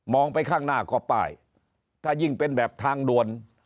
ไปข้างหน้าก็ป้ายถ้ายิ่งเป็นแบบทางด่วน